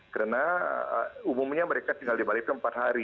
karena umumnya mereka tinggal di bali ke empat hari